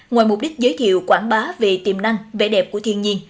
ngoài mục đích giới thiệu quảng bá về tiềm năng vẻ đẹp của thiên nhiên